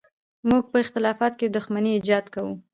موږ په اختلافاتو کې د دښمنۍ ایجاد کوو.